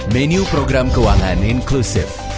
menu program keuangan inklusif